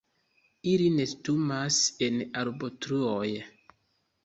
Ili nestumas en arbotruoj.